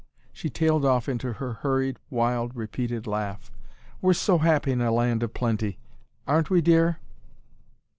She tailed off into her hurried, wild, repeated laugh. "We're so happy in a land of plenty, AREN'T WE DEAR?"